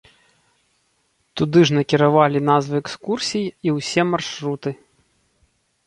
Туды ж накіравалі назвы экскурсій і ўсе маршруты.